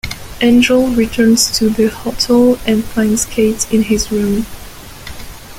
Angel returns to the hotel and finds Kate in his room.